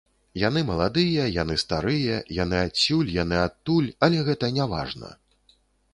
Яны маладыя, яны старыя, яны адсюль, яны адтуль, але гэта няважна.